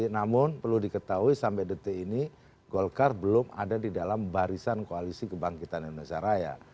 namun perlu diketahui sampai detik ini golkar belum ada di dalam barisan koalisi kebangkitan indonesia raya